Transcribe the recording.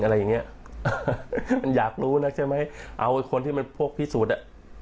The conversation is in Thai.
อะไรอย่างเงี้ยมันอยากรู้นะใช่ไหมเอาไอ้คนที่มันพวกพิสูจน์อ่ะ